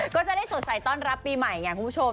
ก็จะได้สดใสต้อนรับปีใหม่ไงคุณผู้ชม